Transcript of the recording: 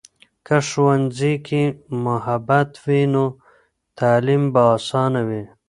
که ښوونځي کې محبت وي، نو تعلیم به آسانه وي.